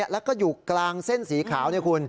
แล้วก็อยู่กลางเส้นสีขาวนี่คุณ